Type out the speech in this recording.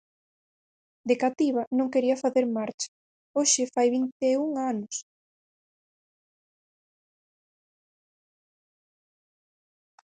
De cativa non quería facer marcha, hoxe fai vinte e un anos.